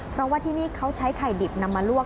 เพราะว่าที่นี่เขาใช้ไข่ดิบนำมาลวก